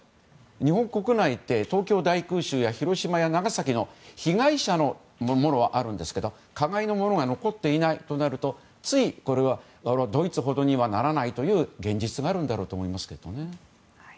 日本国内って東京大空襲や広島や長崎の被害のものはありますが加害のものが残っていないとなるとつい、ドイツほどにはならないという現実があるんだろうと思います。